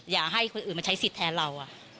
อย่าให้คนอื่นมาใช้สิทธิ์แทนเรา